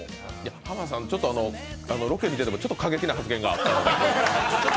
浜田さん、ロケ見ててもちょっと過激な発言があったので。